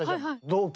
同期？